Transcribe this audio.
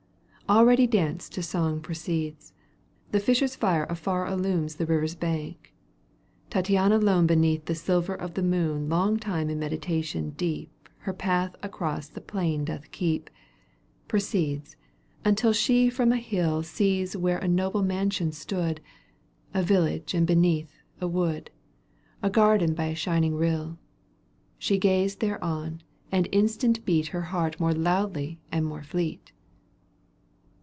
Already dance to song proceeds ; The fisher's fire afar illumes The river's bank. Tattiana lone Beneath the silver of the moon Long time in meditation deep Her path across the plain doth keep — Proceeds, until she from a hill Digitized by VjOOQ 1С CANTO viL EUGENE ONIEGUINE. 196 Sees where a noble mansion stood, A village and beneath, a wood, A garden by a shining rill. She gazed thereon, and instant beat Her heart more loudly and more fleet.